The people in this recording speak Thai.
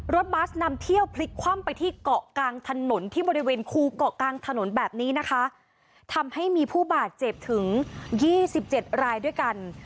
บัสนำเที่ยวพลิกคว่ำไปที่เกาะกลางถนนที่บริเวณคูเกาะกลางถนนแบบนี้นะคะทำให้มีผู้บาดเจ็บถึงยี่สิบเจ็ดรายด้วยกัน